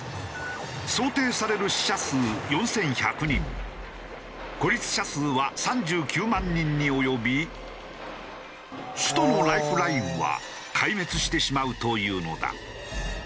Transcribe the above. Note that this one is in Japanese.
想定される死者数４１００人孤立者数は３９万人に及び首都のライフラインは壊滅してしまうというのだ。